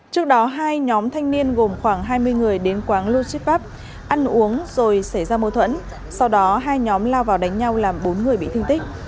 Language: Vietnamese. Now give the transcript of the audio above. trước đó hai nhóm thanh niên gồm khoảng hai mươi người đến quán logistics pub ăn uống rồi xảy ra mâu thuẫn sau đó hai nhóm lao vào đánh nhau làm bốn người bị thương tích